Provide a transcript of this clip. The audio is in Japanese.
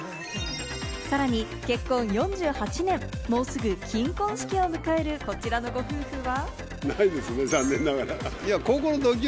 さらに結婚４８年、もうすぐ金婚式を迎える、こちらのご夫婦は。